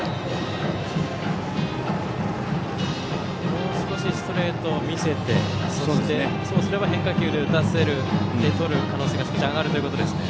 もう少しストレートを見せてそうすれば変化球で打たせてとれる可能性が少し上がるということですね。